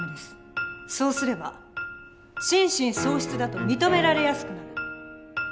そうすれば心神喪失だと認められやすくなる。